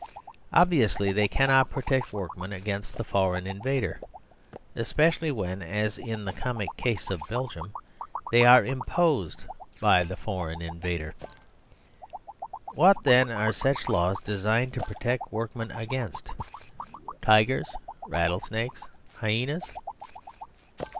Obviously they cannot protect workmen against the foreign invader especially when (as in the comic case of Belgium) they are imposed by the foreign invader. What then are such laws designed to protect workmen against? Tigers, rattlesnakes, hyenas?